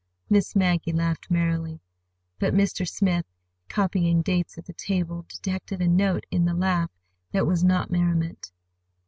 (Miss Maggie laughed merrily, but Mr. Smith, copying dates at the table, detected a note in the laugh that was not merriment.)